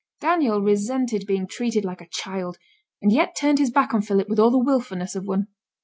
Daniel resented being treated like a child, and yet turned his back on Philip with all the wilfulness of one.